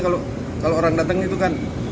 kalau orang datang itu kan